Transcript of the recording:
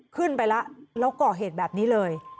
ขึ้นไปแล้วเกาะเหตุแบบนี้เลย